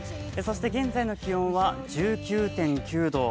現在の気温は１９．９度。